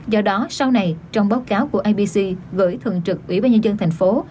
do đó sau này trong báo cáo của ibc gửi thường trực ủy ban nhân dân thành phố